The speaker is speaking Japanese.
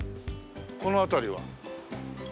この辺りは。